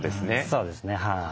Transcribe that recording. そうですねはい。